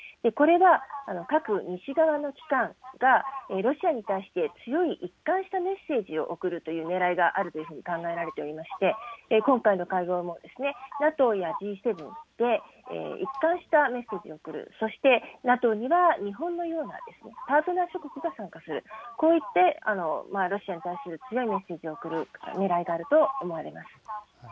これは、各西側の機関が、ロシアに対して強い一貫したメッセージを送るというねらいがあるというふうに考えられていまして、今回の会合も、ＮＡＴＯやＧ７で一貫したメッセージを送る、そして、ＮＡＴＯには日本のようなパートナー諸国が参加する、こういって、ロシアに対する強いメッセージを送るねらいがあると思われます。